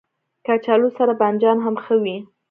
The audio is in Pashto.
کچالو سره بانجان هم ښه وي